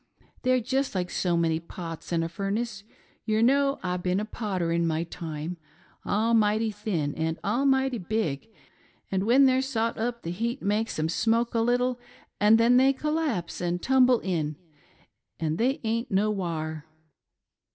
They're jest like so many pots in a furnace — yer know I've been a potter in my time — almighty thin and almighty big ; and when they're sot up the heat makes 'em smoke a little, and then they collapse and tumble in, and they aint no whar."